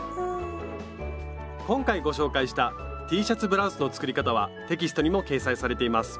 今回ご紹介したＴシャツブラウスの作り方はテキストにも掲載されています。